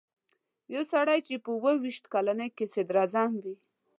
یو سړی چې په اووه ویشت کلنۍ کې صدراعظم وي.